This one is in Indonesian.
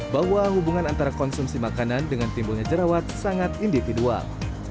bahwa hubungan antara konsumsi makanan dengan timbulnya jerawat sangat individual